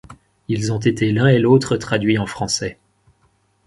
Ils ont été, l'un et l'autre, traduits en français.